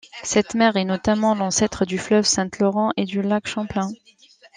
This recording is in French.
Cette mer est notamment l'ancêtre du fleuve Saint-Laurent et du Lac Champlain.